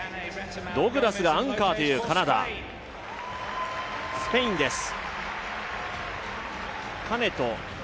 ド・グラスがアンカーというカナダスペインです。